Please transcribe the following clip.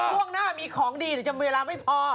จากกระแสของละครกรุเปสันนิวาสนะฮะ